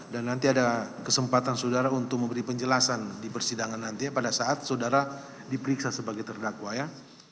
dan nanti ada kesempatan saudara untuk memberi penjelasan di persidangan nanti ya pada saat saudara diperiksa sebagai terdakwa ya